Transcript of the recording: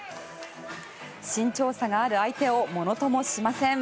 身長差がある相手をものともしません。